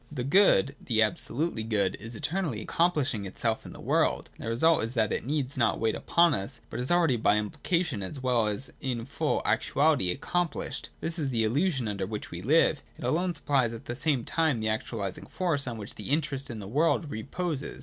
The Good, the absolutely Good, is eternally accomplishing itself in the world : and the result is that it needs not wait upon us, but is already by implication, as well as in full actuality, accomphshed. This is the illusion under which we live. It alone supplies at the same time the actualising force on which the interest in the world reposes.